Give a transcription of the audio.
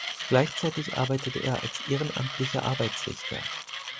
Gleichzeitig arbeitete er als ehrenamtlicher Arbeitsrichter.